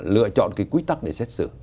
lựa chọn quy tắc để xét xử